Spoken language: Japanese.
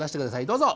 どうぞ！